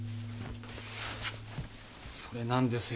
それなんですよ